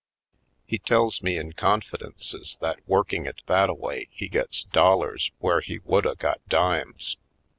He tells me in confidences that working it that a way he gets dollars where he would a got dimes.